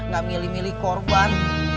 gak milih milih korban